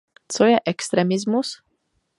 Co je extremismus?